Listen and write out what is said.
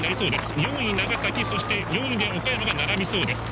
４位、長崎５位で岡山が並びそうです。